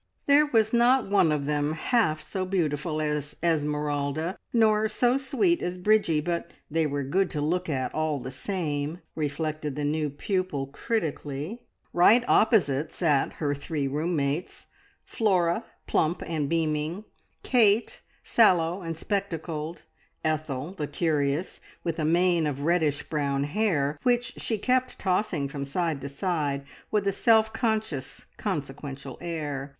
There was not one of them half so beautiful as Esmeralda, nor so sweet as Bridgie, but they were good to look at all the same, reflected the new pupil critically. Right opposite sat her three room mates Flora, plump and beaming; Kate, sallow and spectacled; Ethel, the curious, with a mane of reddish brown hair, which she kept tossing from side to side with a self conscious, consequential air.